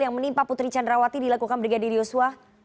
yang menimpa putri candrawati dilakukan brigadir yosua